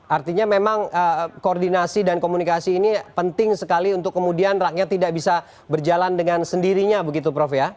artinya memang koordinasi dan komunikasi ini penting sekali untuk kemudian rakyat tidak bisa berjalan dengan sendirinya begitu prof ya